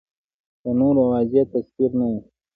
د نورو واضح تصویر نه و